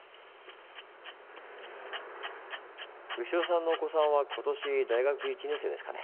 牛尾さんのお子さんは今年大学１年生ですかね？